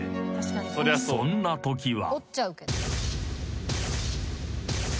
［そんなときは］